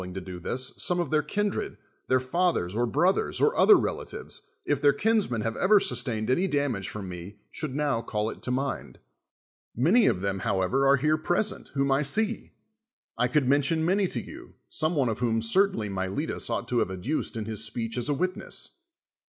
g 1o do Ihis, some of their kindred, their fallu^rs, or l)roth(rs, or other 7'ela1ives, if their kinsmen have ever sus 1ain<'d any damage from me, should now call it to mind. .Many of them, liowever, are liei e ])resenl, 73 THE WORLD'S FAMOUS ORATIONS whom I see. I could mention many to you, some one of whom certainly Miletus ought to have ad duced in his speech as a witness.